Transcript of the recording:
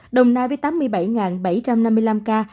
đồng nai với tám mươi bảy bảy trăm năm mươi năm ca